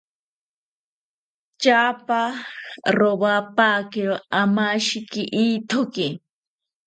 Tyapa rowapakiro amashiki ithoki